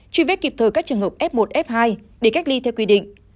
truy vết kịp thời các trường hợp f một f hai để cách ly theo quy định